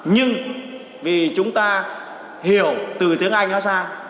nhưng vì chúng ta hiểu từ tiếng anh nó ra